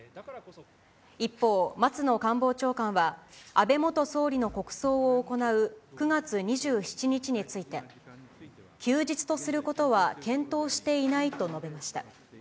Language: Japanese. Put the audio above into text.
一方、松野官房長官は、安倍元総理の国葬を行う９月２７日について、休日とすることは検討していないと述べました。